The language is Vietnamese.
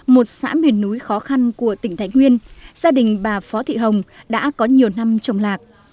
một xã miền núi khó khăn của tỉnh thái nguyên gia đình bà phó thị hồng đã có nhiều năm trồng lạc